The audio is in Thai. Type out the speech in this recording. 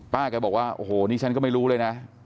แกบอกว่าโอ้โหนี่ฉันก็ไม่รู้เลยนะ